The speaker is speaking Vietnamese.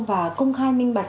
và công khai minh bạch